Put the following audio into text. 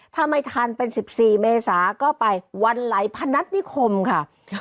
ถ้าไม่ทันเป็น๑๔เมษาก็ไปวันไหลพนัฐนิคมค่ะ